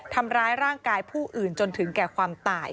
ทำร้ายร่างกายผู้อื่นจนถึงแก่ความตาย